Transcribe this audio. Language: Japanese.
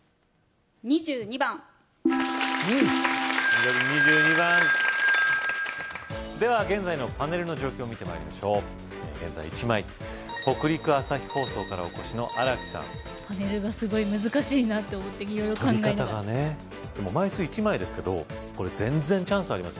２２番うん緑２２番・・では現在のパネルの状況見て参りましょう現在１枚北陸朝日放送からお越しの荒木さんパネルがすごい難しいなと思って取り方がねでも枚数１枚ですけど全然チャンスあります